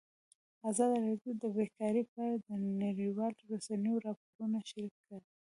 ازادي راډیو د بیکاري په اړه د نړیوالو رسنیو راپورونه شریک کړي.